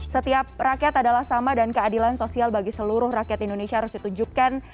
setiap rakyat adalah sama dan keadilan sosial bagi seluruh rakyat indonesia harus ditunjukkan